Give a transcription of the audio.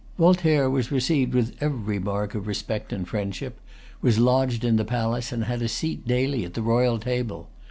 Voltaire was received with every mark of respect and friendship, was lodged in the palace, and had a seat daily at the royal table.